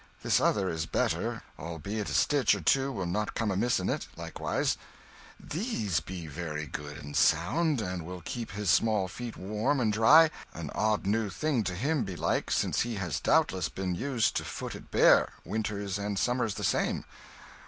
This other is better, albeit a stitch or two will not come amiss in it, likewise ... These be very good and sound, and will keep his small feet warm and dry an odd new thing to him, belike, since he has doubtless been used to foot it bare, winters and summers the same